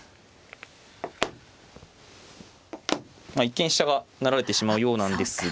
一見飛車が成られてしまうようなんですが。